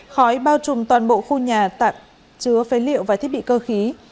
khói bao trùm toàn bộ khu nhà tạm chứa phế liệu và thiết bị cơ khí